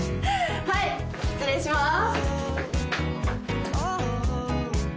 はい失礼しまーす。